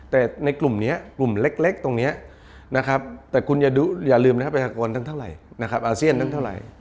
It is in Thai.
แต่ในกลุ่มนี้กลุ่มเล็กตรงนี้นะครับแต่คุณอย่าดูอย่าลืมนะครับอาเซียนทั้งเท่าไหร่นะครับ